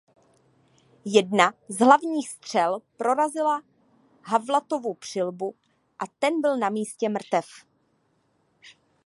Jedna z prvních střel prorazila Havlatovu přilbu a ten byl na místě mrtev.